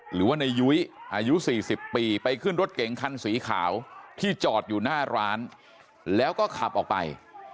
หรือว่าในยุ้ยอายุ๔๐ปีไปขึ้นรถเก๋งคันสีขาวที่จอดอยู่หน้าร้านแล้วก็ขับออกไป